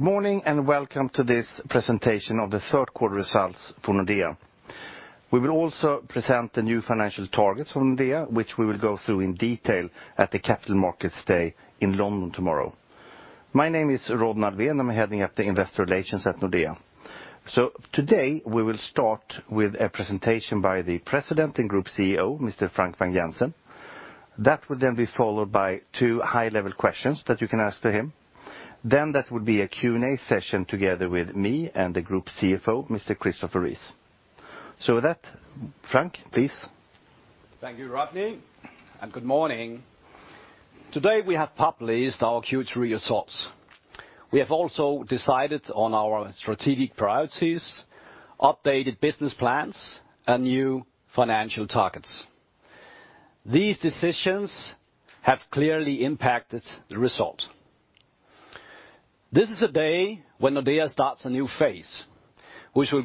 Good morning, and welcome to this presentation of the third quarter results for Nordea. We will also present the new financial targets for Nordea, which we will go through in detail at the Capital Markets Day in London tomorrow. My name is Rodney Alfvén. I'm heading up the investor relations at Nordea. Today, we will start with a presentation by the President and Group CEO, Mr. Frank Vang-Jensen. That will then be followed by two high-level questions that you can ask to him. There will be a Q&A session together with me and the Group CFO, Mr. Christopher Rees. With that, Frank, please. Thank you, Rodney. Good morning. Today, we have published our Q3 results. We have also decided on our strategic priorities, updated business plans, and new financial targets. These decisions have clearly impacted the result. This is a day when Nordea starts a new phase, which we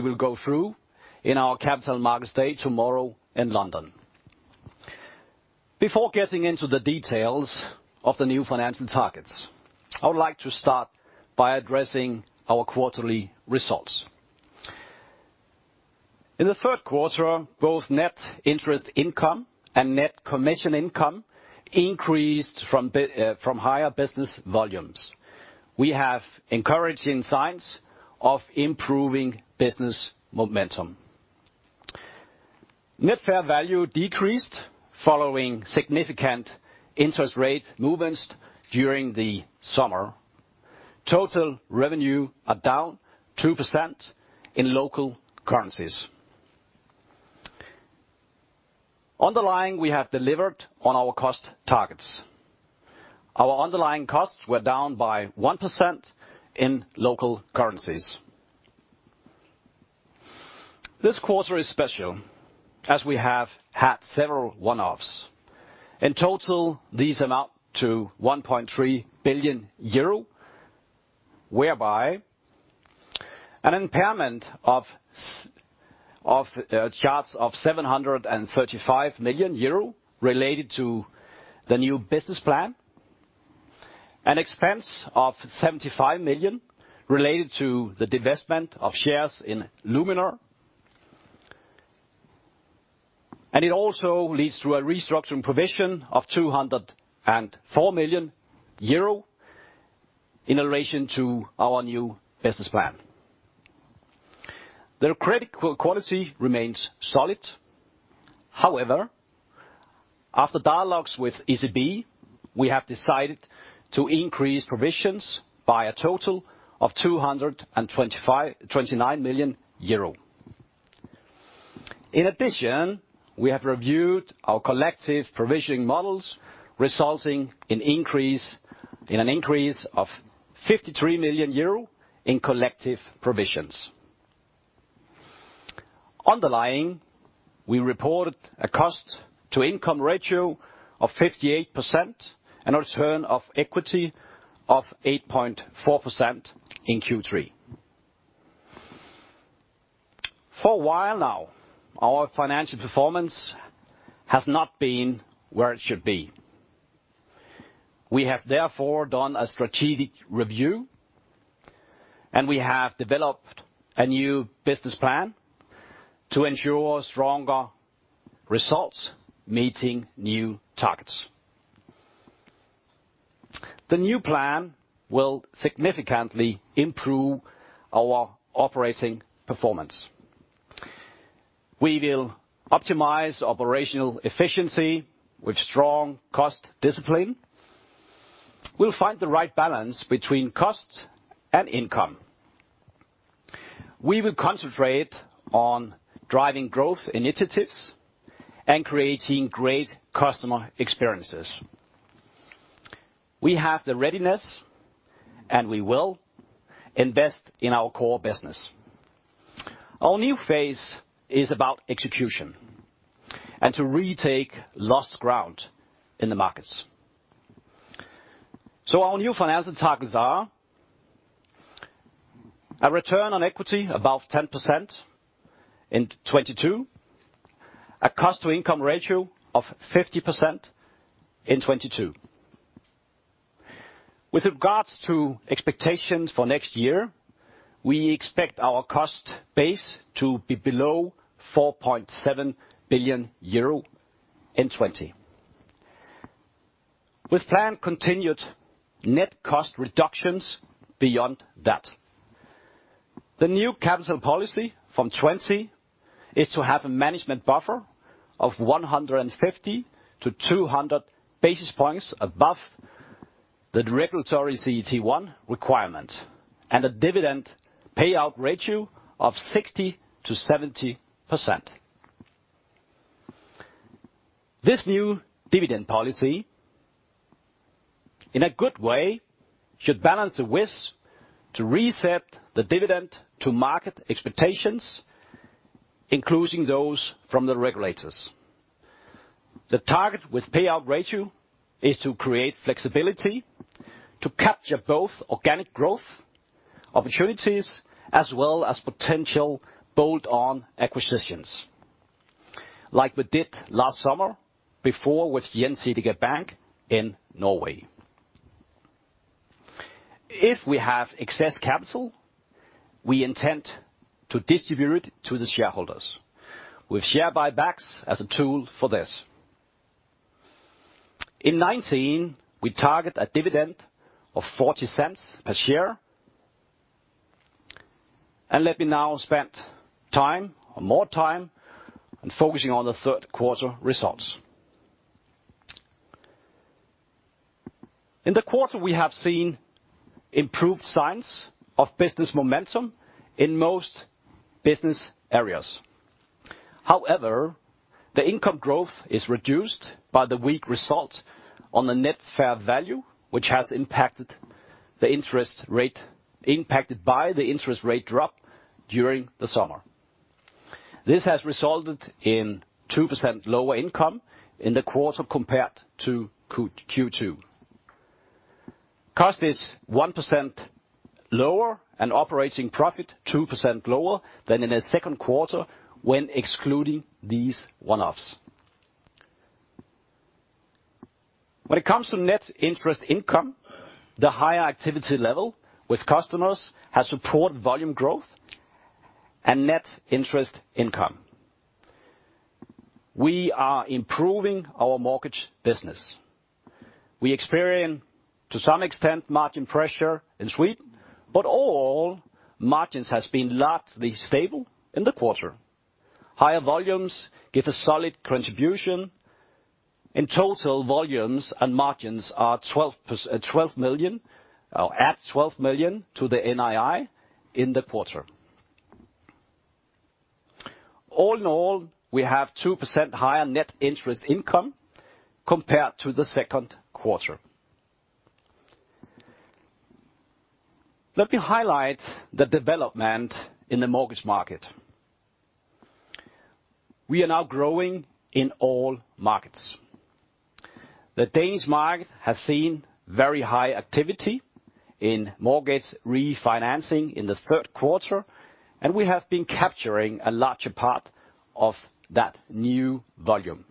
will go through in our Capital Markets Day tomorrow in London. Before getting into the details of the new financial targets, I would like to start by addressing our quarterly results. In the third quarter, both net interest income and net commission income increased from higher business volumes. We have encouraging signs of improving business momentum. Net fair value decreased following significant interest rate movements during the summer. Total revenue are down 2% in local currencies. Underlying, we have delivered on our cost targets. Our underlying costs were down by 1% in local currencies. This quarter is special, as we have had several one-offs. In total, these amount to 1.3 billion euro, whereby an impairment of charges of 735 million euro related to the new business plan, an expense of 75 million related to the divestment of shares in Luminor. It also leads to a restructuring provision of 204 million euro in relation to our new business plan. The credit quality remains solid. However, after dialogues with ECB, we have decided to increase provisions by a total of 229 million euro. In addition, we have reviewed our collective provisioning models, resulting in an increase of 53 million euro in collective provisions. Underlying, we reported a cost to income ratio of 58% and a return on equity of 8.4% in Q3. For a while now, our financial performance has not been where it should be. We have therefore done a strategic review, and we have developed a new business plan to ensure stronger results, meeting new targets. The new plan will significantly improve our operating performance. We will optimize operational efficiency with strong cost discipline. We'll find the right balance between cost and income. We will concentrate on driving growth initiatives and creating great customer experiences. We have the readiness, and we will invest in our core business. Our new phase is about execution and to retake lost ground in the markets. Our new financial targets are a return on equity above 10% in 2022, a cost to income ratio of 50% in 2022. With regards to expectations for next year, we expect our cost base to be below 4.7 billion euro in 2020, with planned continued net cost reductions beyond that. The new capital policy from 2020 is to have a management buffer of 150-200 basis points above the regulatory CET1 requirement, and a dividend payout ratio of 60%-70%. This new dividend policy, in a good way, should balance the risk to reset the dividend to market expectations, including those from the regulators. The target with payout ratio is to create flexibility to capture both organic growth opportunities, as well as potential bolt-on acquisitions. We did last summer, before with DNB in Norway. If we have excess capital, we intend to distribute it to the shareholders with share buybacks as a tool for this. In 2019, we target a dividend of 0.40 per share. Let me now spend more time on focusing on the third quarter results. In the quarter, we have seen improved signs of business momentum in most Business Areas. However, the income growth is reduced by the weak result on the net fair value, which is impacted by the interest rate drop during the summer. This has resulted in 2% lower income in the quarter compared to Q2. Cost is 1% lower and operating profit 2% lower than in the second quarter when excluding these one-offs. When it comes to net interest income, the higher activity level with customers has support volume growth and net interest income. We are improving our mortgage business. We experience, to some extent, margin pressure in Sweden, but all margins has been largely stable in the quarter. Higher volumes give a solid contribution. In total, volumes and margins add 12 million to the NII in the quarter. All in all, we have 2% higher net interest income compared to the second quarter. Let me highlight the development in the mortgage market. We are now growing in all markets. The Danish market has seen very high activity in mortgage refinancing in the third quarter, and we have been capturing a larger part of that new volume.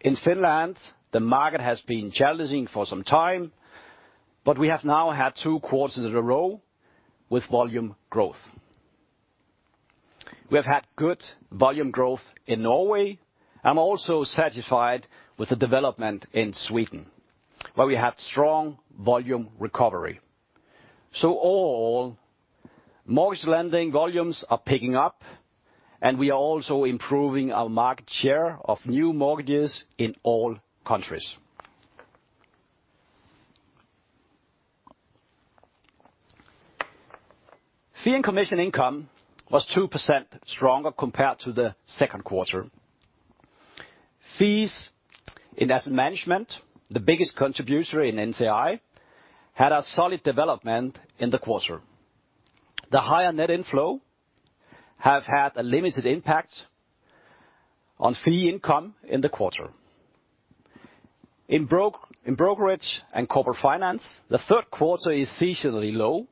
In Finland, the market has been challenging for some time, but we have now had two quarters in a row with volume growth. We have had good volume growth in Norway. I'm also satisfied with the development in Sweden, where we have strong volume recovery. All mortgage lending volumes are picking up, and we are also improving our market share of new mortgages in all countries. Fee and commission income was 2% stronger compared to the second quarter. Fees in asset management, the biggest contributor in NCI, had a solid development in the quarter. The higher net inflow have had a limited impact on fee income in the quarter. In brokerage and corporate finance, the third quarter is seasonally low,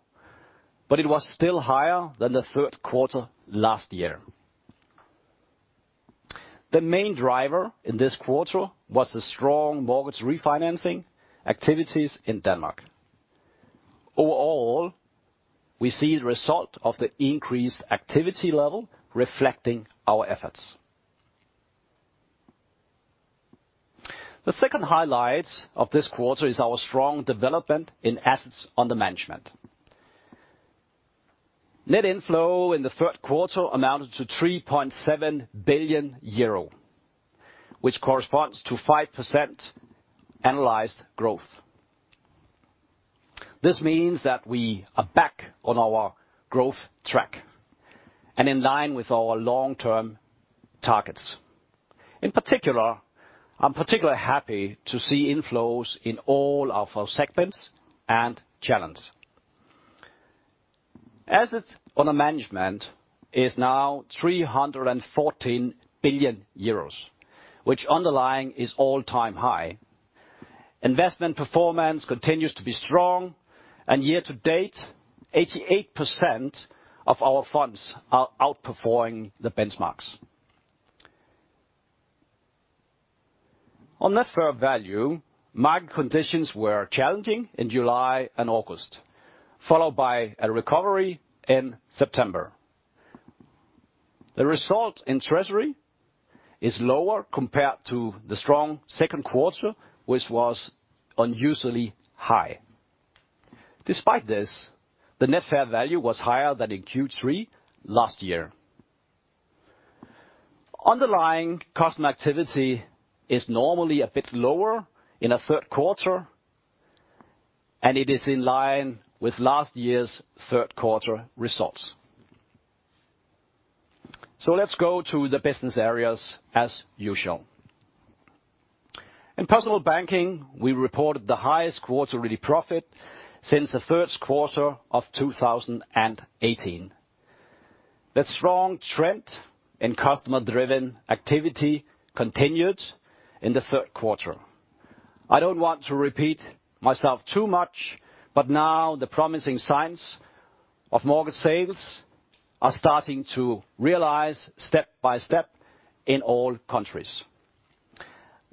but it was still higher than the third quarter last year. The main driver in this quarter was the strong mortgage refinancing activities in Denmark. Overall, we see the result of the increased activity level reflecting our efforts. The second highlight of this quarter is our strong development in assets under management. Net inflow in the third quarter amounted to 3.7 billion euro, which corresponds to 5% annualized growth. This means that we are back on our growth track and in line with our long-term targets. I'm particularly happy to see inflows in all of our segments and channels. Assets under management is now 314 billion euros, which underlying is all-time high. Investment performance continues to be strong, and year to date, 88% of our funds are outperforming the benchmarks. On net fair value, market conditions were challenging in July and August, followed by a recovery in September. The result in treasury is lower compared to the strong second quarter, which was unusually high. Despite this, the net fair value was higher than in Q3 last year. Underlying customer activity is normally a bit lower in the third quarter, and it is in line with last year's third quarter results. Let's go to the business areas as usual. In personal banking, we reported the highest quarterly profit since the third quarter of 2018. The strong trend in customer-driven activity continued in the third quarter. I don't want to repeat myself too much, but now the promising signs of mortgage sales are starting to realize step by step in all countries.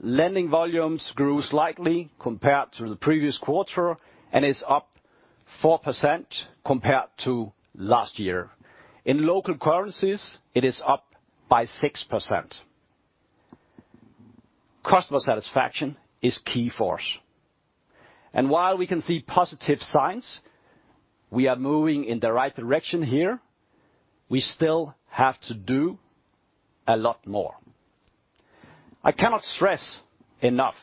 Lending volumes grew slightly compared to the previous quarter and is up 4% compared to last year. In local currencies, it is up by 6%. Customer satisfaction is key for us. While we can see positive signs, we are moving in the right direction here, we still have to do a lot more. I cannot stress enough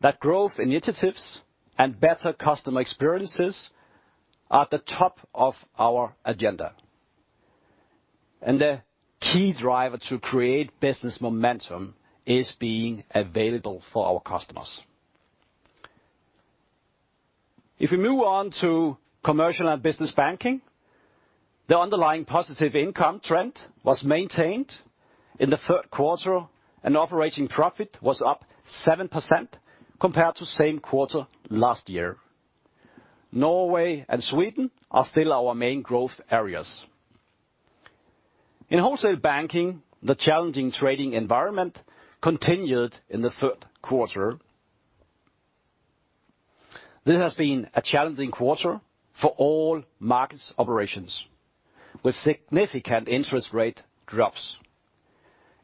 that growth initiatives and better customer experiences are the top of our agenda. The key driver to create business momentum is being available for our customers. If we move on to commercial and business banking, the underlying positive income trend was maintained in the third quarter, and operating profit was up 7% compared to same quarter last year. Norway and Sweden are still our main growth areas. In wholesale banking, the challenging trading environment continued in the third quarter. This has been a challenging quarter for all Markets operations, with significant interest rate drops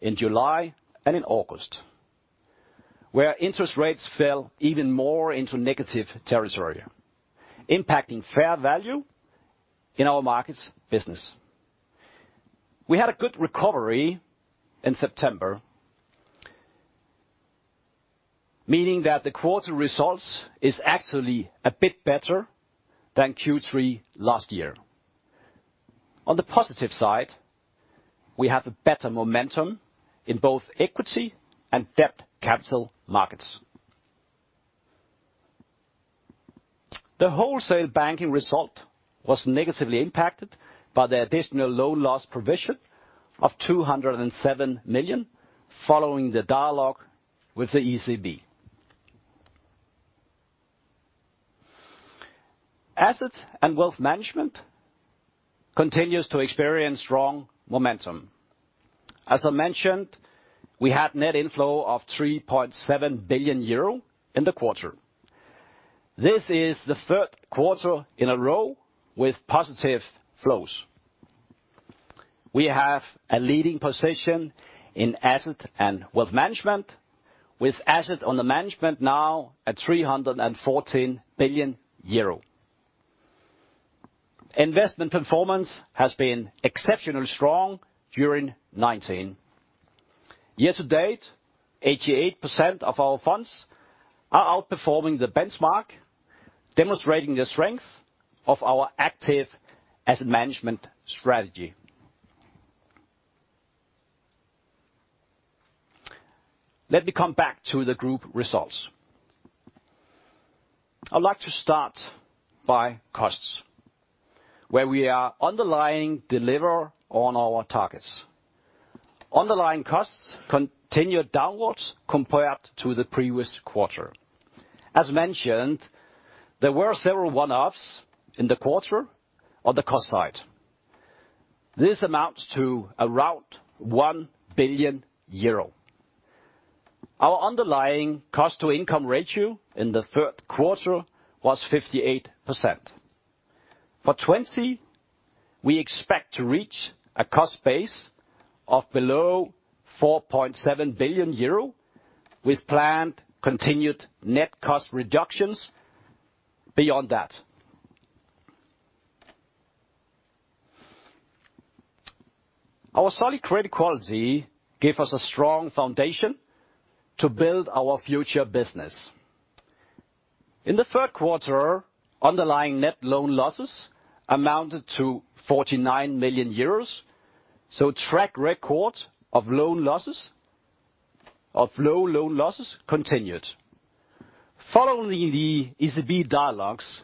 in July and in August, where interest rates fell even more into negative territory, impacting fair value in our Markets business. We had a good recovery in September, meaning that the quarter results is actually a bit better than Q3 last year. On the positive side, we have a better momentum in both equity and debt Capital Markets. The Wholesale Banking result was negatively impacted by the additional loan loss provision of 207 million, following the dialogue with the ECB. Assets and Wealth Management continues to experience strong momentum. As I mentioned, we had net inflow of 3.7 billion euro in the quarter. This is the third quarter in a row with positive flows. We have a leading position in Asset and Wealth Management, with assets under management now at EUR 314 billion. Investment performance has been exceptionally strong during 2019. Year to date, 88% of our funds are outperforming the benchmark, demonstrating the strength of our active asset management strategy. Let me come back to the group results. I'd like to start by costs, where we are underlying deliver on our targets. Underlying costs continued downwards compared to the previous quarter. As mentioned, there were several one-offs in the quarter on the cost side. This amounts to around 1 billion euro. Our underlying cost to income ratio in the third quarter was 58%. For 2020, we expect to reach a cost base of below 4.7 billion euro, with planned continued net cost reductions beyond that. Our solid credit quality gave us a strong foundation to build our future business. In the third quarter, underlying net loan losses amounted to 49 million euros. Track record of low loan losses continued. Following the ECB dialogues,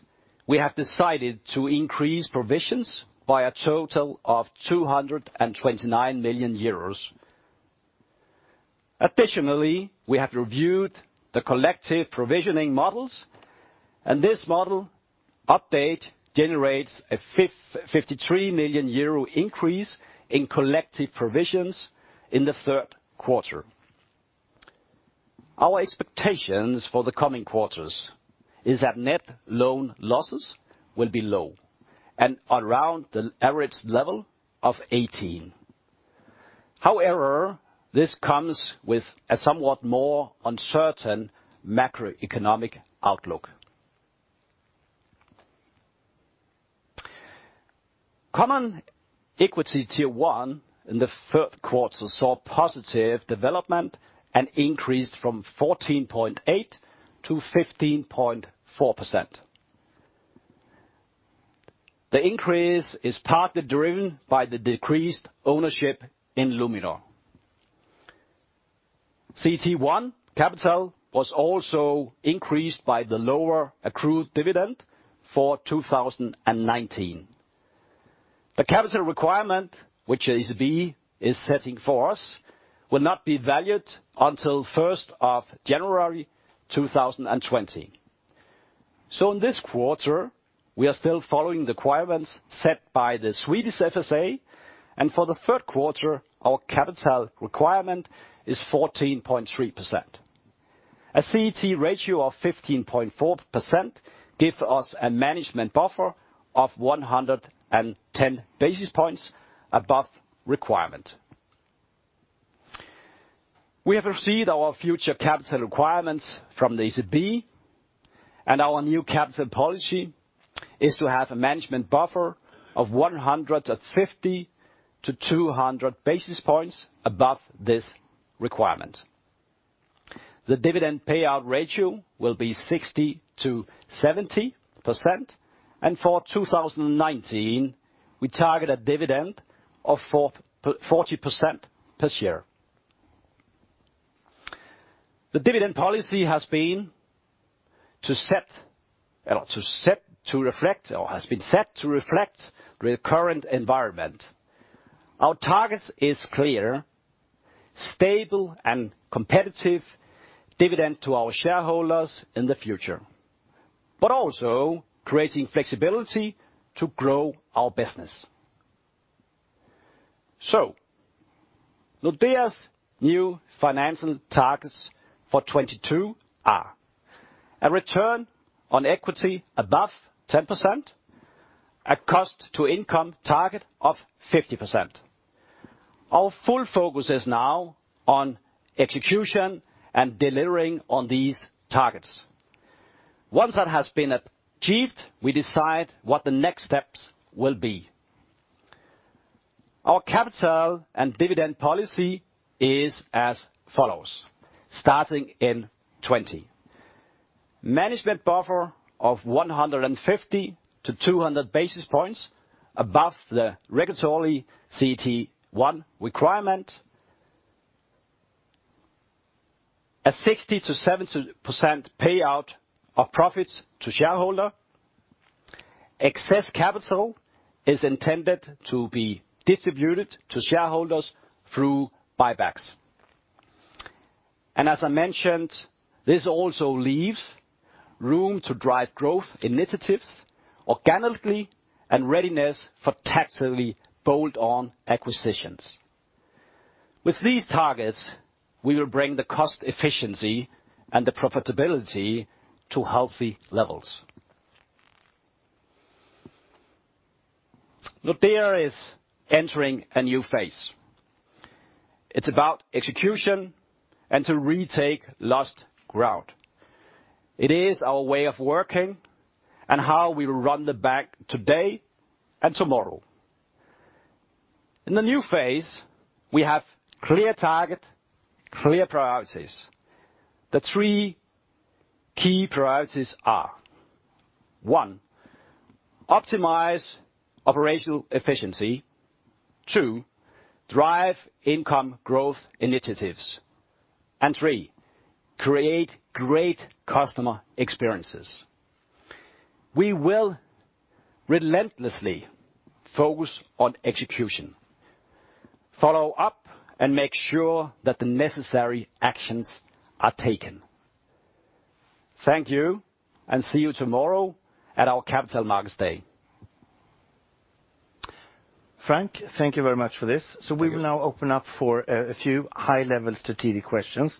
we have decided to increase provisions by a total of 229 million euros. We have reviewed the collective provisioning models, and this model update generates a 53 million euro increase in collective provisions in the third quarter. Our expectations for the coming quarters is that net loan losses will be low and around the average level of 2018. This comes with a somewhat more uncertain macroeconomic outlook. Common Equity Tier 1 in the third quarter saw positive development and increased from 14.8%-15.4%. The increase is partly driven by the decreased ownership in Luminor. CET1 capital was also increased by the lower accrued dividend for 2019. The capital requirement, which ECB is setting for us, will not be valued until 1st of January 2020. In this quarter, we are still following the requirements set by the Swedish FSA, and for the third quarter, our capital requirement is 14.3%. A CET1 ratio of 15.4% give us a management buffer of 110 basis points above requirement. We have received our future capital requirements from the ECB, and our new capital policy is to have a management buffer of 150-200 basis points above this requirement. The dividend payout ratio will be 60%-70%, and for 2019, we target a dividend of 40% per share. The dividend policy has been set to reflect the current environment. Our target is clear, stable, and competitive dividend to our shareholders in the future, but also creating flexibility to grow our business. Nordea's new financial targets for 2022 are a return on equity above 10%, a cost to income target of 50%. Our full focus is now on execution and delivering on these targets. Once that has been achieved, we decide what the next steps will be. Our capital and dividend policy is as follows, starting in 2020. Management buffer of 150-200 basis points above the regulatory CET1 requirement. A 60%-70% payout of profits to shareholder. Excess capital is intended to be distributed to shareholders through buybacks. As I mentioned, this also leaves room to drive growth initiatives organically and readiness for tactically bolt-on acquisitions. With these targets, we will bring the cost efficiency and the profitability to healthy levels. Nordea is entering a new phase. It's about execution and to retake lost ground. It is our way of working and how we run the bank today and tomorrow. In the new phase, we have clear target, clear priorities. The three key priorities are, one, optimize operational efficiency. Two, drive income growth initiatives. Three, create great customer experiences. We will relentlessly focus on execution, follow up, and make sure that the necessary actions are taken. Thank you, and see you tomorrow at our Capital Markets Day. Frank, thank you very much for this. Thank you. We will now open up for a few high-level strategic questions.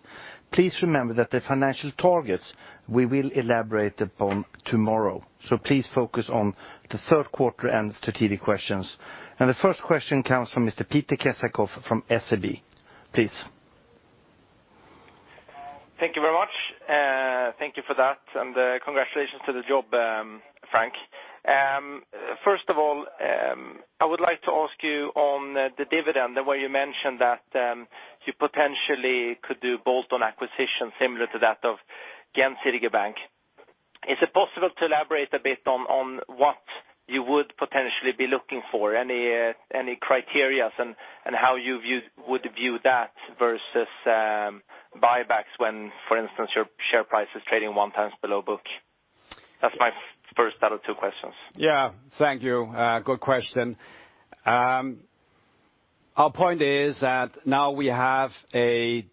Please remember that the financial targets we will elaborate upon tomorrow, so please focus on the third quarter and strategic questions. The first question comes from Mr. Peter Kjaergaard from SEB. Please. Thank you very much. Thank you for that, and congratulations to the job, Frank. First of all, I would like to ask you on the dividend, the way you mentioned that you potentially could do bolt-on acquisition similar to that of DNB Bank. Is it possible to elaborate a bit on what you would potentially be looking for? Any criteria and how you would view that versus buybacks when, for instance, your share price is trading one times below book? That's my first out of two questions. Thank you. Good question. Our point is that now we have a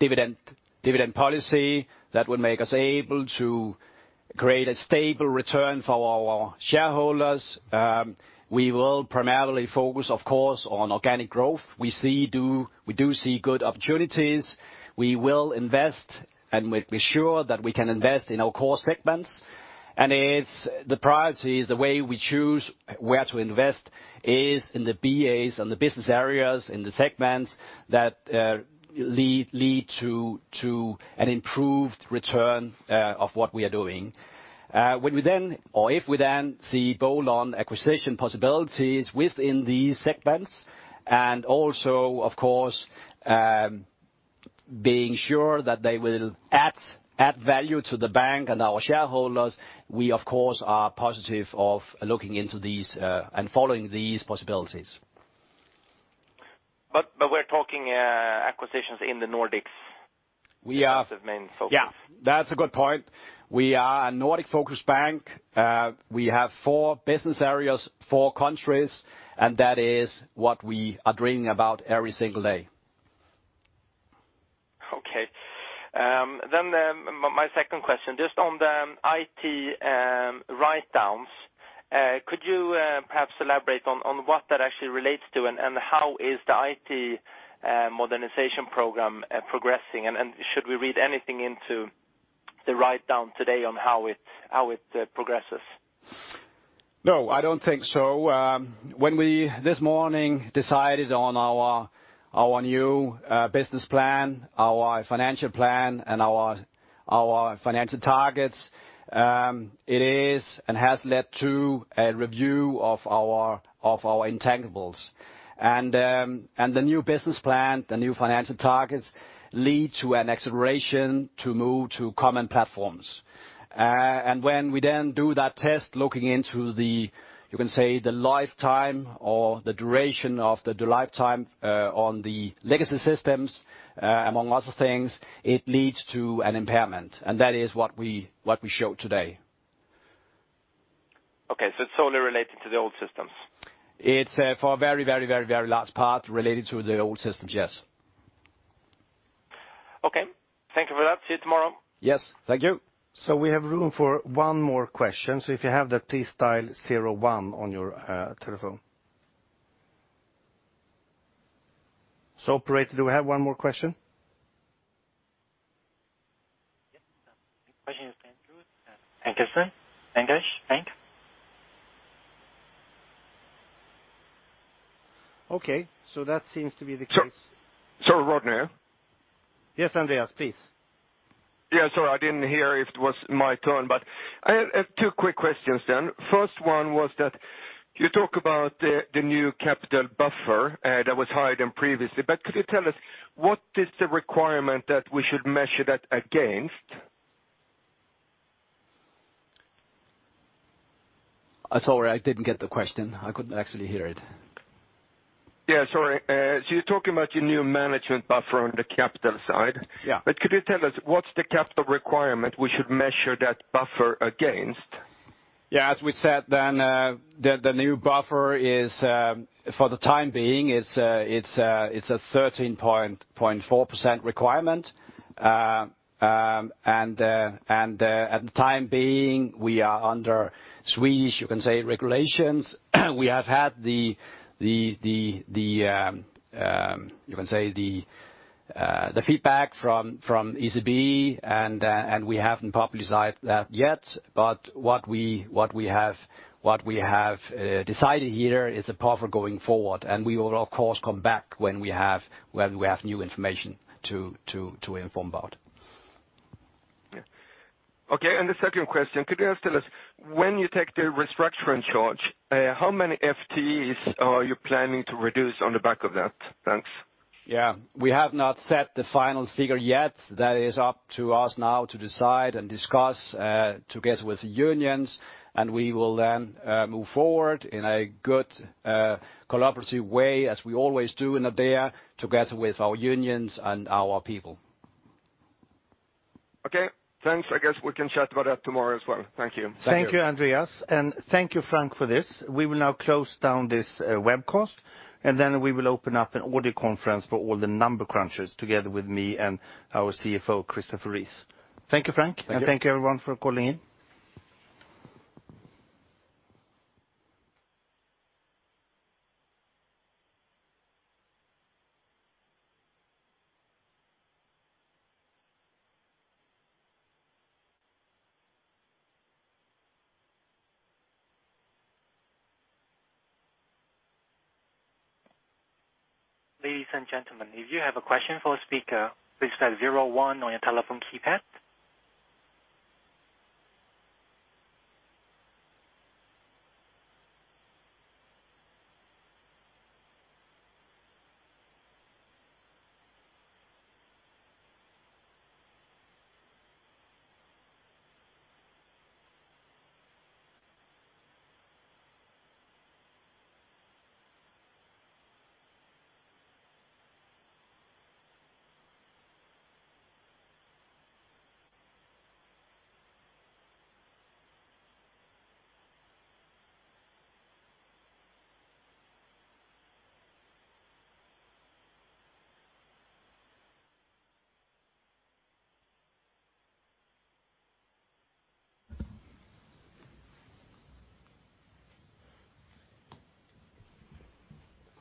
dividend policy that would make us able to create a stable return for our shareholders. We will primarily focus, of course, on organic growth. We do see good opportunities. We will invest, and we're sure that we can invest in our core segments, and the priority is the way we choose where to invest is in the BAs and the business areas in the segments that lead to an improved return of what we are doing. If we then see bolt-on acquisition possibilities within these segments, and also, of course, being sure that they will add value to the bank and our shareholders, we, of course, are positive of looking into these, and following these possibilities. We're talking acquisitions in the Nordics. We are- As the main focus. That's a good point. We are a Nordic-focused bank. We have four business areas, four countries, and that is what we are dreaming about every single day. Okay. My second question, just on the IT write-downs, could you perhaps elaborate on what that actually relates to? How is the IT modernization program progressing? Should we read anything into the write-down today on how it progresses? No, I don't think so. When we, this morning, decided on our new business plan, our financial plan, and our financial targets, it is, and has led to a review of our intangibles. The new business plan, the new financial targets lead to an acceleration to move to common platforms. When we then do that test looking into the, you can say, the lifetime or the duration of the lifetime on the legacy systems, among lots of things, it leads to an impairment. That is what we showed today. Okay, it's solely related to the old systems. It's for a very large part related to the old systems, yes. Okay. Thank you for that. See you tomorrow. Yes. Thank you. We have room for one more question. If you have that, please dial 01 on your telephone. Operator, do we have one more question? Yes. The next question is coming through. Håkansson? Okay, that seems to be the case. Sorry, Rodney. Yes, Andreas, please. Yeah, sorry, I didn't hear if it was my turn. I have two quick questions then. First one was that you talk about the new capital buffer that was higher than previously, could you tell us what is the requirement that we should measure that against? Sorry, I didn't get the question. I couldn't actually hear it. Yeah, sorry. You're talking about your new management buffer on the capital side. Yeah. Could you tell us what's the capital requirement we should measure that buffer against? Yeah, as we said then, the new buffer is, for the time being, it's a 13.4% requirement. At the time being, we are under Swedish, you can say, regulations. We have had the feedback from ECB and we haven't publicized that yet, but what we have decided here is a path for going forward, and we will of course come back when we have new information to inform about. Yeah. Okay, the second question, could you tell us, when you take the restructuring charge, how many FTEs are you planning to reduce on the back of that? Thanks. Yeah. We have not set the final figure yet. That is up to us now to decide and discuss together with the unions, and we will then move forward in a good collaborative way as we always do in Nordea together with our unions and our people. Okay. Thanks. I guess we can chat about that tomorrow as well. Thank you. Thank you, Andreas, and thank you, Frank, for this. We will now close down this webcast, and then we will open up an audio conference for all the number crunchers together with me and our CFO, Christopher Rees. Thank you, Frank. Thank you. Thank you everyone for calling in. Ladies and gentlemen, if you have a question for a speaker, please dial 01 on your telephone keypad.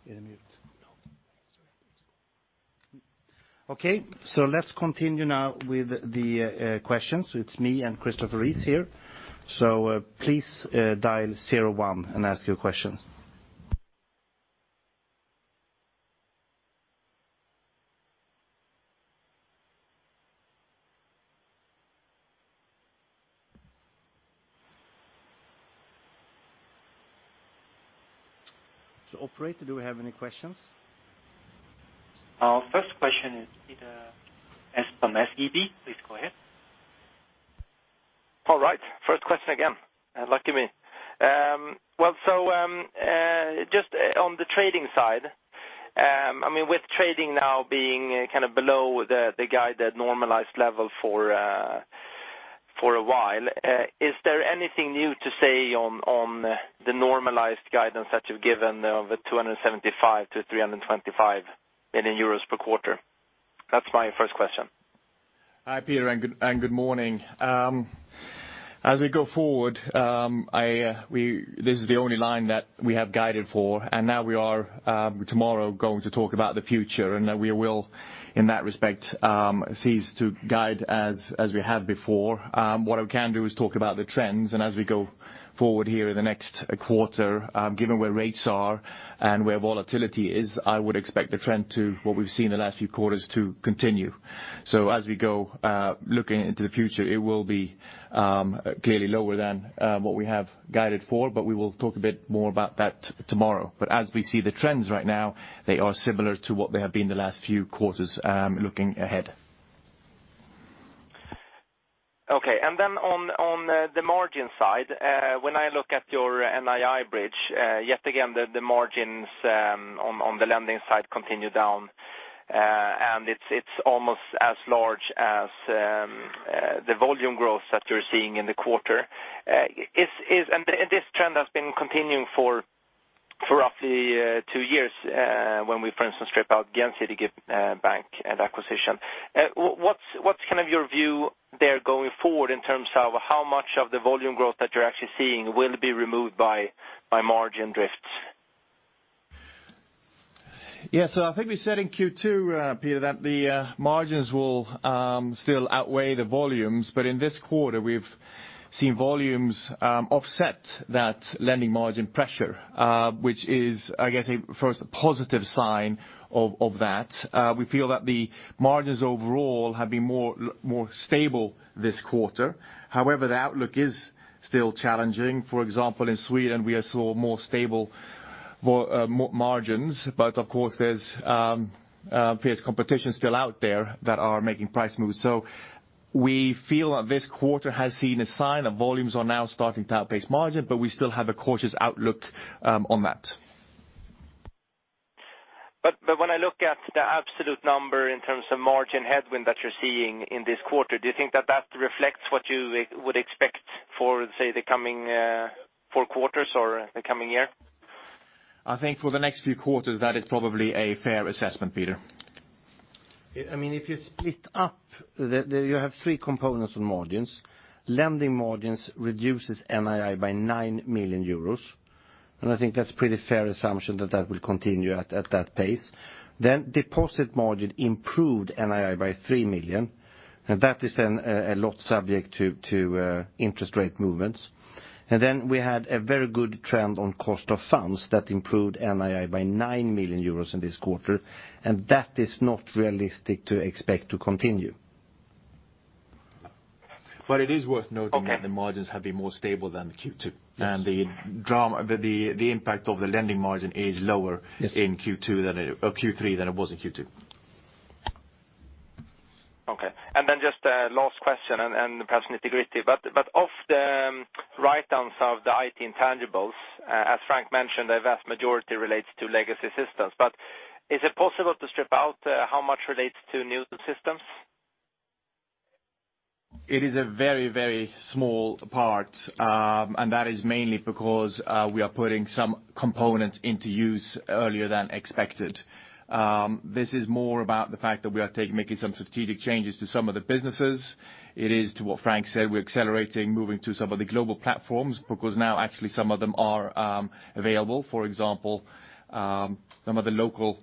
You're mute. No. Okay, let's continue now with the questions. It's me and Christopher Rees here. Please dial 01 and ask your questions. Operator, do we have any questions? Our first question is Peter S from SEB. Please go ahead. Question again. Lucky me. Just on the trading side, with trading now being below the guided normalized level for a while, is there anything new to say on the normalized guidance that you've given of 275 million-325 million euros per quarter? That's my first question. Hi, Peter, and good morning. As we go forward, this is the only line that we have guided for. Now we are tomorrow going to talk about the future, and we will, in that respect, cease to guide as we have before. What I can do is talk about the trends. As we go forward here in the next quarter, given where rates are and where volatility is, I would expect the trend to what we've seen in the last few quarters to continue. As we go looking into the future, it will be clearly lower than what we have guided for, but we will talk a bit more about that tomorrow. As we see the trends right now, they are similar to what they have been the last few quarters looking ahead. Okay. On the margin side, when I look at your NII bridge, yet again, the margins on the lending side continue down, and it's almost as large as the volume growth that you're seeing in the quarter. This trend has been continuing for roughly two years when we, for instance, strip out Gjensidige Bank and acquisition. What's your view there going forward in terms of how much of the volume growth that you're actually seeing will be removed by margin drifts? I think we said in Q2, Peter, that the margins will still outweigh the volumes. In this quarter, we've seen volumes offset that lending margin pressure, which is, I guess, first, a positive sign of that. We feel that the margins overall have been more stable this quarter. However, the outlook is still challenging. For example, in Sweden, we saw more stable margins, but of course, there's fierce competition still out there that are making price moves. We feel that this quarter has seen a sign that volumes are now starting to outpace margin, but we still have a cautious outlook on that. When I look at the absolute number in terms of margin headwind that you're seeing in this quarter, do you think that reflects what you would expect for, say, the coming four quarters or the coming year? I think for the next few quarters, that is probably a fair assessment, Peter. If you split up, you have three components on margins. Lending margins reduces NII by 9 million euros. I think that's pretty fair assumption that will continue at that pace. Deposit margin improved NII by 3 million. That is then a lot subject to interest rate movements. We had a very good trend on cost of funds that improved NII by 9 million euros in this quarter. That is not realistic to expect to continue. It is worth noting that the margins have been more stable than Q2. Yes. The impact of the lending margin is lower. Yes in Q3 than it was in Q2. Okay. Just a last question, and perhaps Nitpicking, but of the write-downs of the IT intangibles, as Frank mentioned, the vast majority relates to legacy systems. Is it possible to strip out how much relates to new systems? It is a very small part, and that is mainly because we are putting some components into use earlier than expected. This is more about the fact that we are making some strategic changes to some of the businesses. It is to what Frank said, we're accelerating, moving to some of the global platforms because now actually some of them are available. For example, some of the local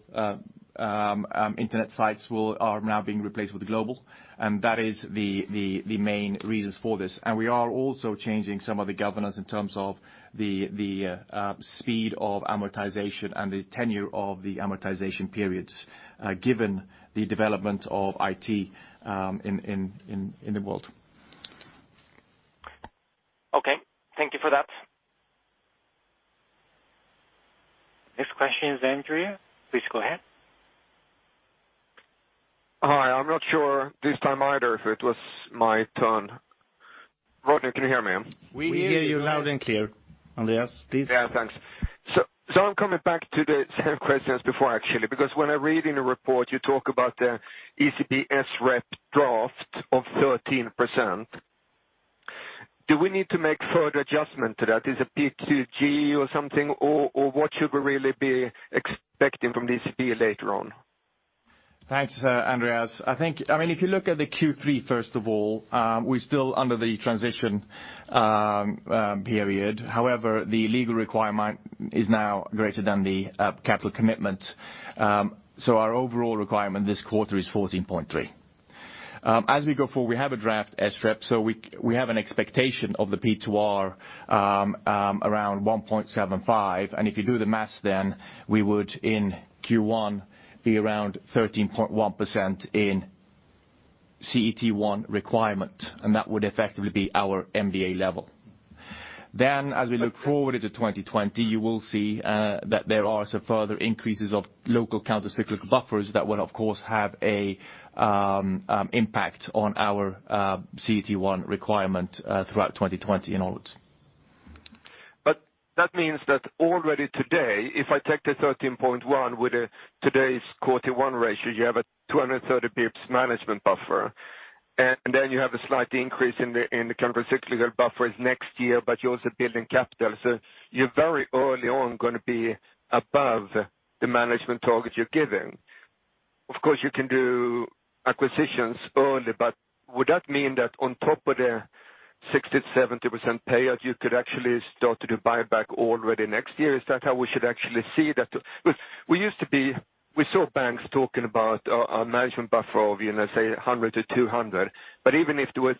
internet sites are now being replaced with the global. That is the main reasons for this. We are also changing some of the governance in terms of the speed of amortization and the tenure of the amortization periods, given the development of IT in the world. Okay. Thank you for that. Next question is Andreas. Please go ahead. Hi. I'm not sure this time either if it was my turn. Rodney, can you hear me? We hear you loud and clear, Andreas. Please. Yeah, thanks. I'm coming back to the same questions before, actually, because when I read in the report, you talk about the ECB SREP draft of 13%. Do we need to make further adjustment to that? Is it P2G or something? What should we really be expecting from the ECB later on? Thanks, Andreas. If you look at the Q3, first of all, we're still under the transition period. The legal requirement is now greater than the capital commitment. Our overall requirement this quarter is 14.3%. As we go forward, we have a draft SREP, we have an expectation of the P2R around 1.75%. If you do the maths, we would in Q1 be around 13.1% in CET1 requirement, and that would effectively be our MDA level. As we look forward into 2020, you will see that there are some further increases of local countercyclical buffers that will, of course, have an impact on our CET1 requirement throughout 2020 and onwards. That means that already today, if I take the 13.1 with today's CET1 ratio, you have a 230 basis points management buffer, and then you have a slight increase in the countercyclical buffers next year, but you're also building capital. You're very early on going to be above the management target you're giving. Of course, you can do acquisitions early, would that mean that on top of the 60%-70% payout, you could actually start to do buyback already next year? Is that how we should actually see that? We saw banks talking about a management buffer of, let's say, 100-200. Even if there were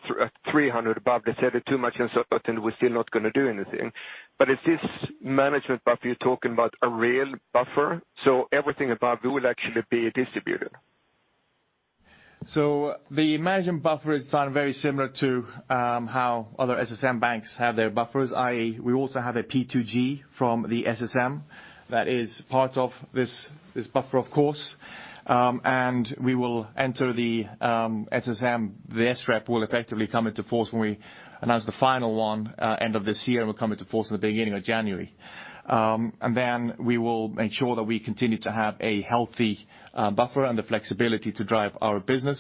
300 above, they said it too much and so, but then we're still not going to do anything. Is this management buffer you're talking about a real buffer? Everything above it will actually be distributed. The management buffer is done very similar to how other SSM banks have their buffers, i.e., we also have a P2G from the SSM that is part of this buffer, of course. We will enter the SSM. The SREP will effectively come into force when we announce the final one end of this year, and will come into force in the beginning of January. We will make sure that we continue to have a healthy buffer and the flexibility to drive our business,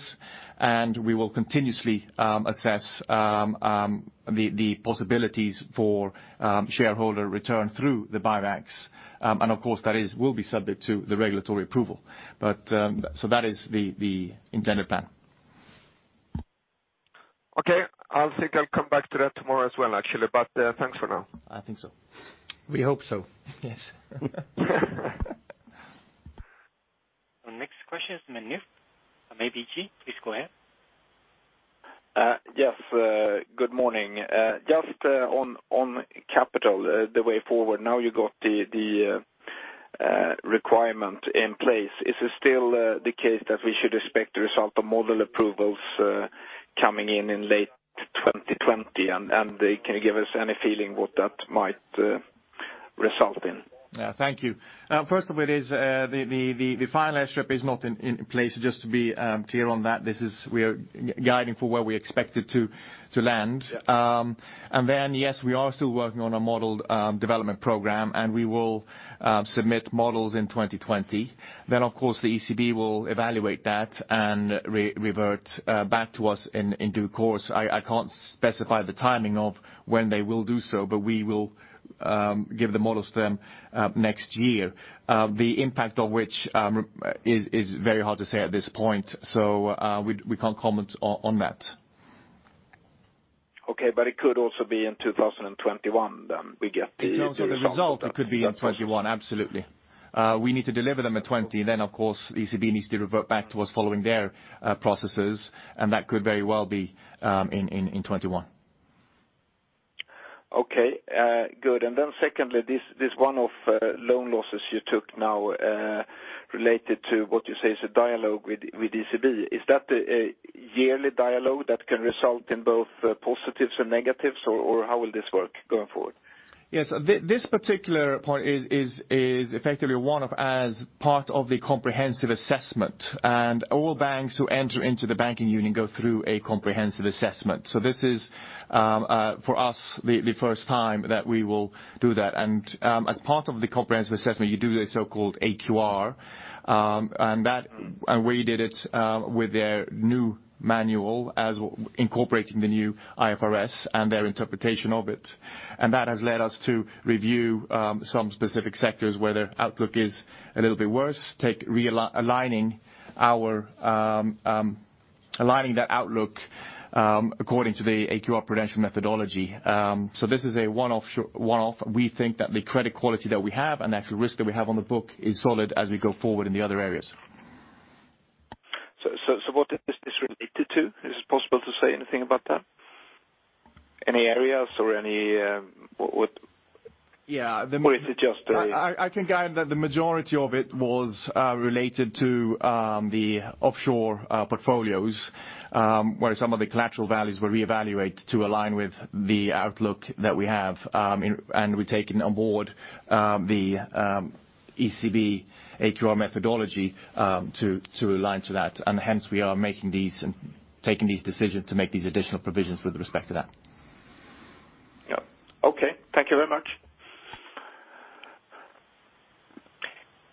and we will continuously assess the possibilities for shareholder return through the buybacks. That will be subject to the regulatory approval. That is the intended plan. Okay. I think I'll come back to that tomorrow as well, actually. Thanks for now. I think so. We hope so. Yes. Our next question is Magnus from ABG. Please go ahead. Yes, good morning. Just on capital, the way forward, now you got the requirement in place. Is it still the case that we should expect the result of model approvals coming in late 2020? Can you give us any feeling what that might result in? Thank you. First of it is the final SREP is not in place. Just to be clear on that, we are guiding for where we expect it to land. Yeah. Then, yes, we are still working on a modeled development program, and we will submit models in 2020. Of course, the ECB will evaluate that and revert back to us in due course. I can't specify the timing of when they will do so, but we will give the models to them next year. The impact of which is very hard to say at this point. We can't comment on that. Okay. It could also be in 2021, we get the result. In terms of the result, it could be in 2021, absolutely. We need to deliver them at 2020. Of course, ECB needs to revert back to us following their processes, and that could very well be in 2021. Okay, good. Secondly, this one-off loan losses you took now related to what you say is a dialogue with ECB. Is that a yearly dialogue that can result in both positives and negatives? How will this work going forward? Yes. This particular point is effectively a one-off as part of the comprehensive assessment. All banks who enter into the Banking Union go through a comprehensive assessment. This is, for us, the first time that we will do that. As part of the comprehensive assessment, you do the so-called AQR. We did it with their new manual as incorporating the new IFRS and their interpretation of it. That has led us to review some specific sectors where their outlook is a little bit worse, realigning that outlook according to the AQR prudential methodology. This is a one-off. We think that the credit quality that we have and actual risk that we have on the book is solid as we go forward in the other areas. What is this related to? Is it possible to say anything about that? Any areas or any Yeah. Or is it just a- I can guide that the majority of it was related to the offshore portfolios, where some of the collateral values were reevaluated to align with the outlook that we have. And we've taken aboard the ECB AQR methodology to align to that, and hence we are taking these decisions to make these additional provisions with respect to that. Yep. Okay. Thank you very much.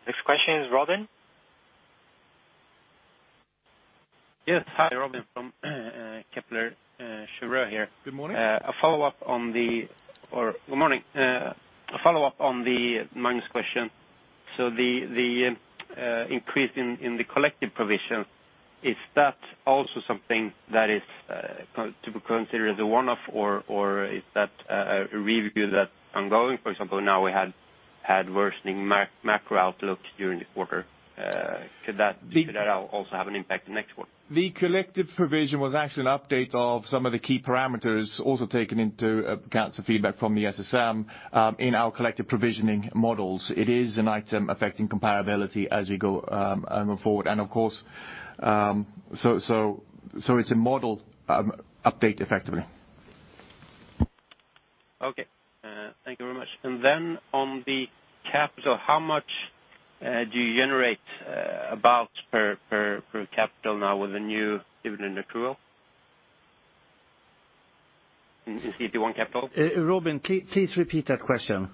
Next question is Robin. Yes. Hi, Robin from Kepler Cheuvreux here. Good morning. Good morning. A follow-up on the Magnus question. The increase in the collective provision, is that also something that is to be considered as a one-off, or is that a review that's ongoing? For example, now we had worsening macro outlook during the quarter. Could that also have an impact next quarter? The collective provision was actually an update of some of the key parameters also taken into accounts of feedback from the SSM in our collective provisioning models. It is an item affecting comparability as we go forward. It's a model update, effectively. Okay. Thank you very much. On the capital, how much do you generate about per capital now with the new dividend accrual? In CET1 capital. Robin, please repeat that question.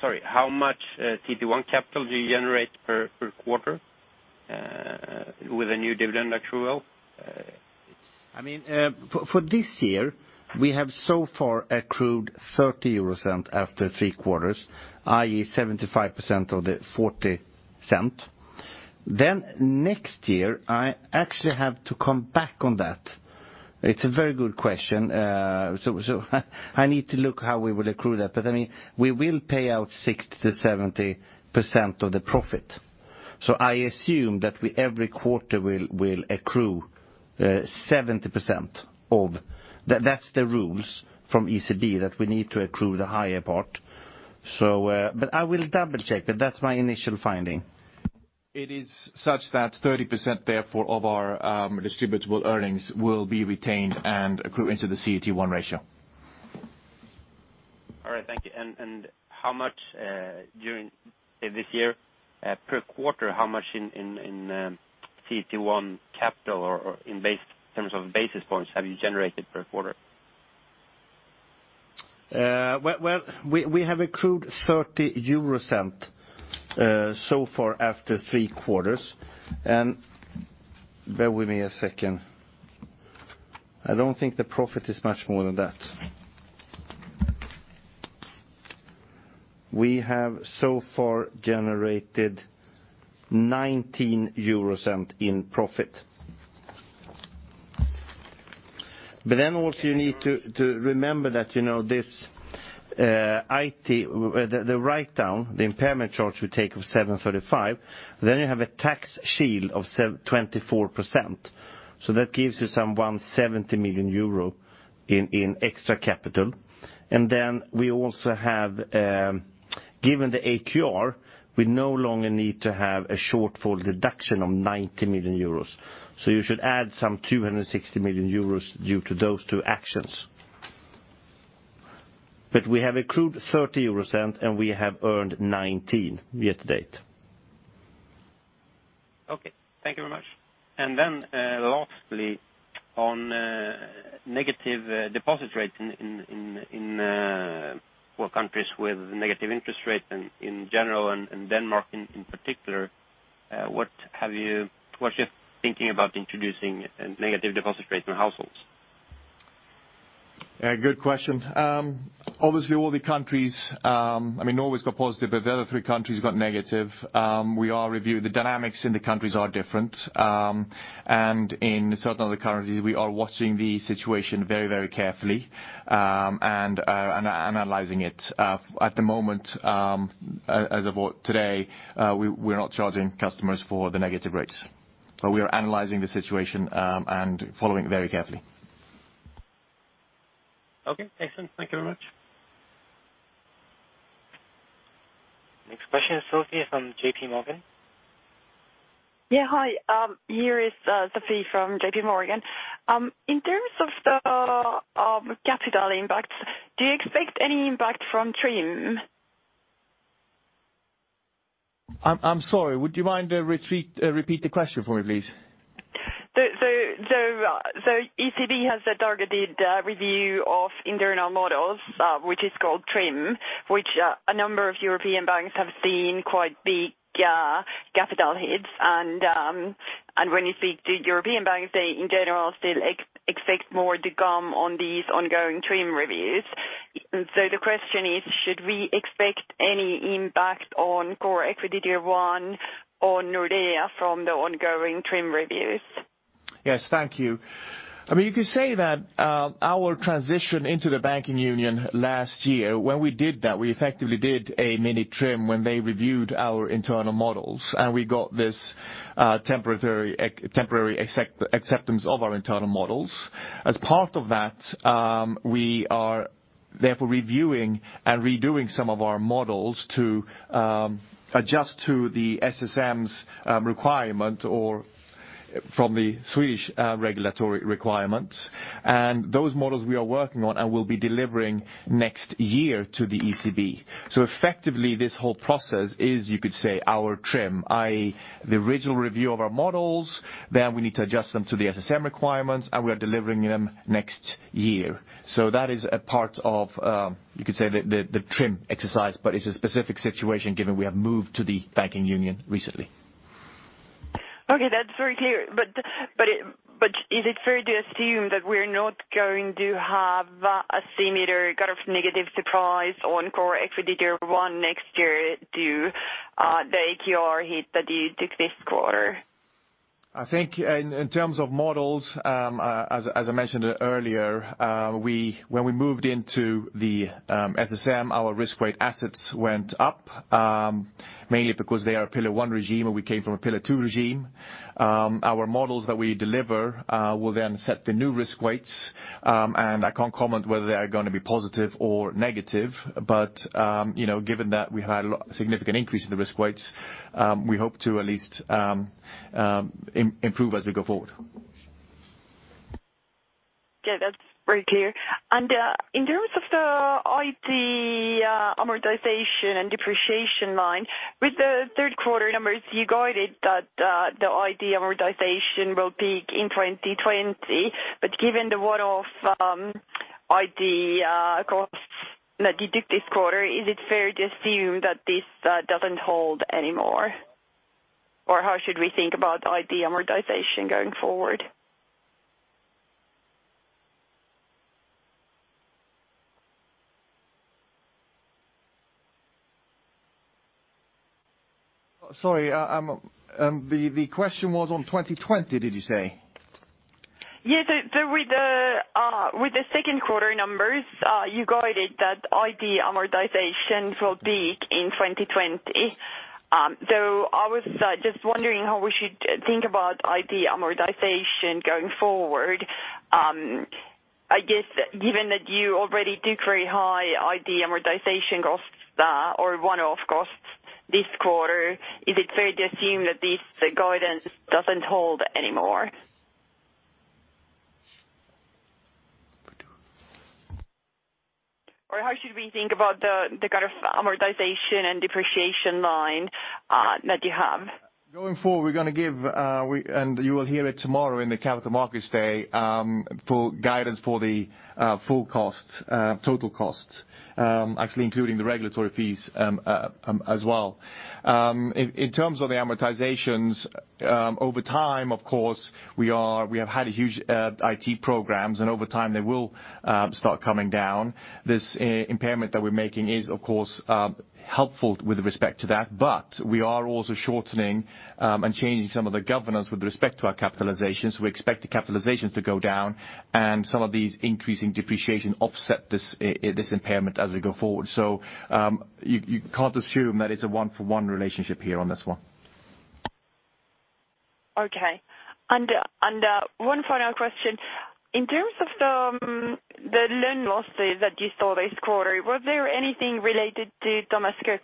Sorry. How much CET1 capital do you generate per quarter with the new dividend accrual? For this year, we have so far accrued 0.30 after three quarters, i.e., 75% of the 0.40. Next year, I actually have to come back on that. It's a very good question. I need to look how we will accrue that. We will pay out 60%-70% of the profit. I assume that every quarter will accrue 70%. That's the rules from ECB, that we need to accrue the higher part. I will double-check, but that's my initial finding. It is such that 30%, therefore, of our distributable earnings will be retained and accrue into the CET1 ratio. All right, thank you. How much during this year, per quarter, how much in CET1 capital or in terms of basis points have you generated per quarter? Well, we have accrued 0.30 so far after three quarters. Bear with me a second. I don't think the profit is much more than that. We have so far generated 0.19 in profit. Also you need to remember that the write-down, the impairment charge we take of 735 million, then you have a tax shield of 24%. That gives you some 170 million euro in extra capital. We also have, given the AQR, we no longer need to have a shortfall deduction of 90 million euros. You should add some 260 million euros due to those two actions. We have accrued 0.30, and we have earned 0.19 year to date. Okay. Thank you very much. Lastly, on negative deposit rates in poor countries with negative interest rates in general and Denmark in particular, what you're thinking about introducing negative deposit rates on households? Good question. Obviously, all the countries, Norway's got positive, but the other three countries got negative. The dynamics in the countries are different. In certain other countries, we are watching the situation very carefully and analyzing it. At the moment, as of today, we're not charging customers for the negative rates. We are analyzing the situation and following very carefully. Okay, excellent. Thank you very much. Next question is Sophie from JPMorgan. Yeah, hi. Here is Sophie from JPMorgan. In terms of the capital impact, do you expect any impact from TRIM? I'm sorry, would you mind to repeat the question for me, please? ECB has a targeted review of internal models, which is called TRIM, which a number of European banks have seen quite big capital hits. When you speak to European banks, they in general still expect more to come on these ongoing TRIM reviews. The question is, should we expect any impact on core equity Tier 1 on Nordea from the ongoing TRIM reviews? Yes, thank you. You could say that our transition into the Banking Union last year, when we did that, we effectively did a mini TRIM when they reviewed our internal models, and we got this temporary acceptance of our internal models. As part of that, we are therefore reviewing and redoing some of our models to adjust to the SSM's requirement or from the Swedish regulatory requirements. Those models we are working on and will be delivering next year to the ECB. Effectively, this whole process is, you could say, our TRIM, i.e., the original review of our models, then we need to adjust them to the SSM requirements, and we are delivering them next year. That is a part of, you could say, the TRIM exercise, but it's a specific situation given we have moved to the Banking Union recently. Okay, that's very clear. Is it fair to assume that we're not going to have a similar kind of negative surprise on Common Equity Tier 1 next year due the AQR hit that you took this quarter? I think in terms of models, as I mentioned earlier, when we moved into the SSM, our risk weight assets went up, mainly because they are a Pillar 1 regime and we came from a Pillar 2 regime. Our models that we deliver will set the new risk weights, and I can't comment whether they are going to be positive or negative. Given that we've had a significant increase in the risk weights, we hope to at least improve as we go forward. Okay. That's very clear. In terms of the IT amortization and depreciation line, with the third quarter numbers, you guided that the IT amortization will peak in 2020, but given the one-off IT costs that you took this quarter, is it fair to assume that this doesn't hold anymore? How should we think about IT amortization going forward? Sorry. The question was on 2020, did you say? Yes. With the second quarter numbers, you guided that IT amortization will peak in 2020. I was just wondering how we should think about IT amortization going forward. I guess given that you already took very high IT amortization costs or one-off costs this quarter, is it fair to assume that this guidance doesn't hold anymore? How should we think about the kind of amortization and depreciation line that you have? Going forward, we're going to give, and you will hear it tomorrow in the Capital Markets Day, full guidance for the full costs, total costs, actually including the regulatory fees as well. In terms of the amortizations, over time, of course, we have had huge IT programs, and over time they will start coming down. This impairment that we're making is of course helpful with respect to that, but we are also shortening and changing some of the governance with respect to our capitalizations. We expect the capitalizations to go down and some of these increasing depreciation offset this impairment as we go forward. You can't assume that it's a one-for-one relationship here on this one. Okay. One final question. In terms of the loan losses that you saw this quarter, was there anything related to Thomas Cook?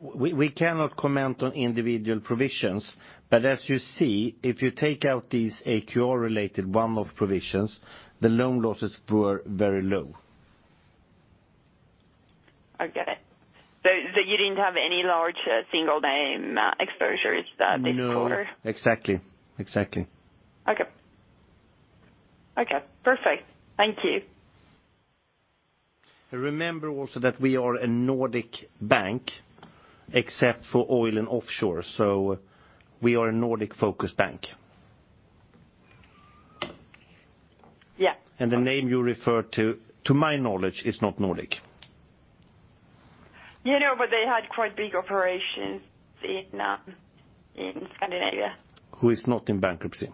We cannot comment on individual provisions, but as you see, if you take out these AQR-related one-off provisions, the loan losses were very low. I get it. You didn't have any large single name exposures this quarter? No. Exactly. Okay. Perfect. Thank you. Remember also that we are a Nordic bank except for oil and offshore. We are a Nordic-focused bank. Yeah. The name you referred to my knowledge, is not Nordic. Yeah, I know, but they had quite big operations in Scandinavia. Who is not in bankruptcy. Yeah.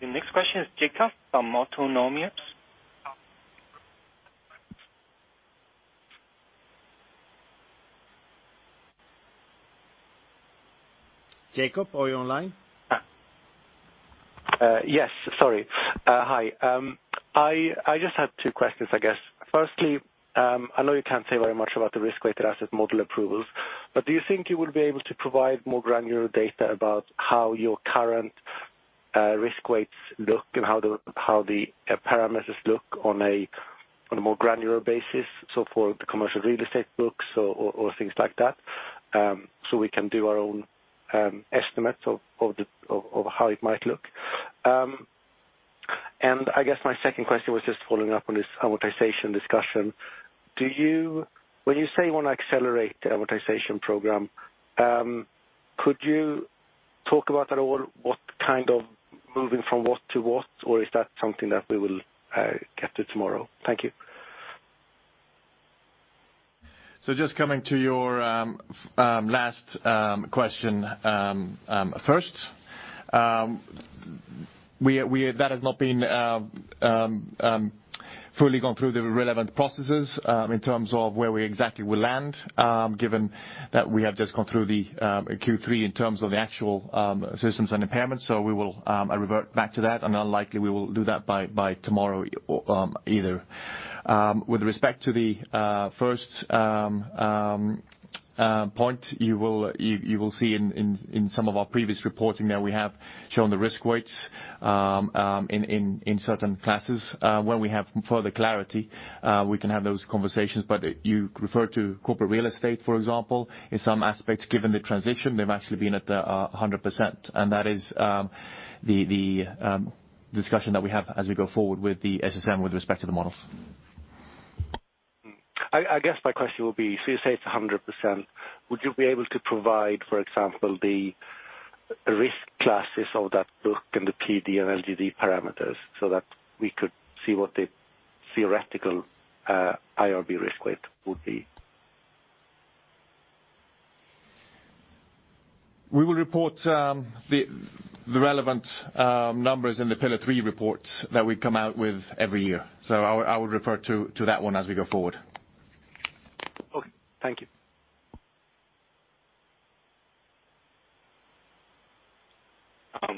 The next question is Jakob from Autonomous Research. Jakob, are you online? Yes. Sorry. Hi. I just have two questions, I guess. Firstly, I know you can't say very much about the risk-weighted asset model approvals, but do you think you will be able to provide more granular data about how your current risk weights look and how the parameters look on a more granular basis, so for the commercial real estate books or things like that, so we can do our own estimates of how it might look? I guess my second question was just following up on this amortization discussion. When you say you want to accelerate the amortization program, could you talk about at all what kind of moving from what to what? Or is that something that we will get to tomorrow? Thank you. Just coming to your last question first. That has not been fully gone through the relevant processes in terms of where we exactly will land, given that we have just gone through the Q3 in terms of the actual systems and impairments. We will revert back to that, and unlikely we will do that by tomorrow either. With respect to the first point, you will see in some of our previous reporting that we have shown the risk weights in certain classes. When we have further clarity, we can have those conversations. You refer to corporate real estate, for example. In some aspects, given the transition, they've actually been at 100%, and that is the discussion that we have as we go forward with the SSM with respect to the models. I guess my question would be, so you say it's 100%. Would you be able to provide, for example, the risk classes of that book and the PD and LGD parameters so that we could see what the theoretical IRB risk weight would be? We will report the relevant numbers in the Pillar 3 reports that we come out with every year. I would refer to that one as we go forward. Okay. Thank you.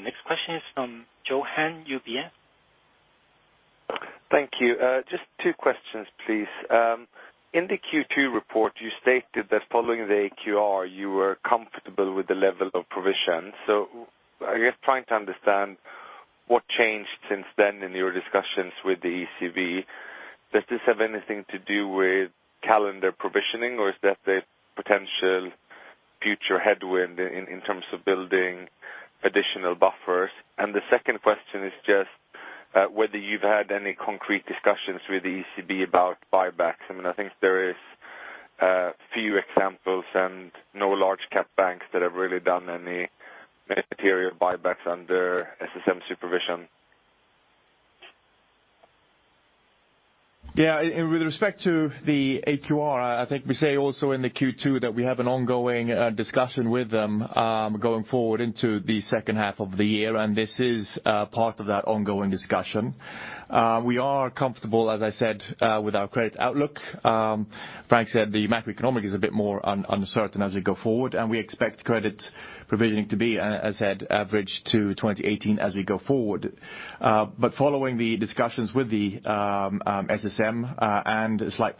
This is from Johan, UBS. Thank you. Just two questions, please. In the Q2 report, you stated that following the AQR, you were comfortable with the level of provision. I guess trying to understand what changed since then in your discussions with the ECB. Does this have anything to do with calendar provisioning, or is that a potential future headwind in terms of building additional buffers? The second question is just whether you've had any concrete discussions with the ECB about buybacks. I think there is a few examples and no large cap banks that have really done any material buybacks under SSM supervision. With respect to the AQR, I think we say also in the Q2 that we have an ongoing discussion with them, going forward into the second half of the year, and this is part of that ongoing discussion. We are comfortable, as I said, with our credit outlook. Frank said the macroeconomic is a bit more uncertain as we go forward, and we expect credit provisioning to be, as I said, average to 2018 as we go forward. Following the discussions with the SSM, and a slight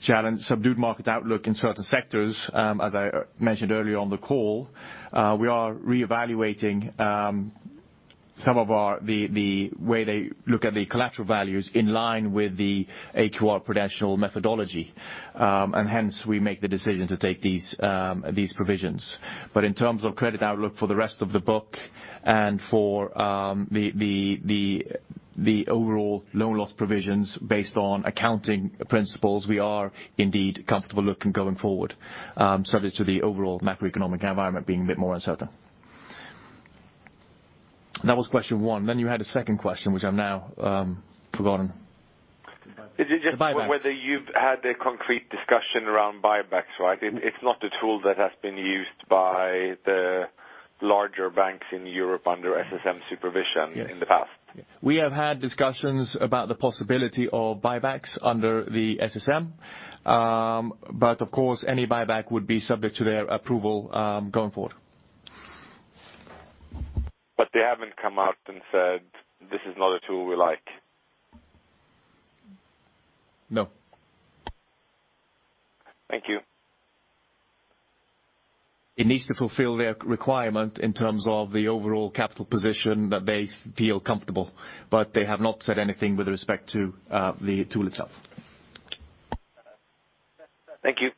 challenge, subdued market outlook in certain sectors, as I mentioned earlier on the call, we are reevaluating some of the way they look at the collateral values in line with the AQR prudential methodology. Hence, we make the decision to take these provisions. In terms of credit outlook for the rest of the book and for the overall loan loss provisions based on accounting principles, we are indeed comfortable looking going forward, subject to the overall macroeconomic environment being a bit more uncertain. That was question one. You had a second question, which I've now forgotten. It's. The buybacks. Whether you've had a concrete discussion around buybacks, right? It's not a tool that has been used by the larger banks in Europe under SSM supervision. Yes in the past. We have had discussions about the possibility of buybacks under the SSM. Of course, any buyback would be subject to their approval, going forward. They haven't come out and said, "This is not a tool we like. No. Thank you. It needs to fulfill their requirement in terms of the overall capital position that they feel comfortable. They have not said anything with respect to the tool itself. Thank you.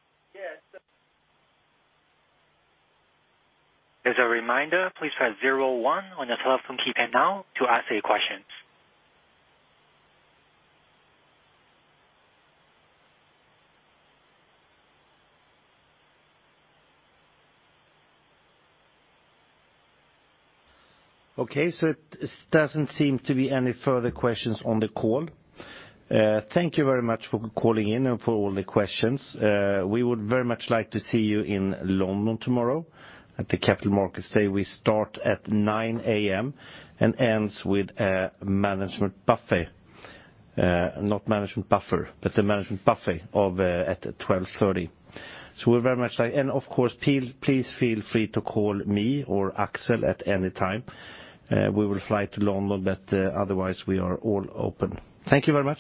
As a reminder, please press zero one on your telephone keypad now to ask a question. Okay. It doesn't seem to be any further questions on the call. Thank you very much for calling in and for all the questions. We would very much like to see you in London tomorrow at the Capital Markets Day. We start at 9:00 A.M. and ends with a management buffet. Not management buffer, but the management buffet at 12:30 P.M. Of course, please feel free to call me or Axel at any time. We will fly to London, but otherwise we are all open. Thank you very much